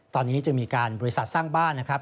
ตอนนี้จึงมีการบริษัทสร้างบ้านนะครับ